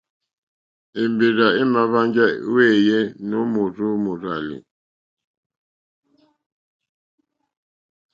Èmbèrzà èmà hwánjá wéèyé nǒ mòrzó mòrzàlì.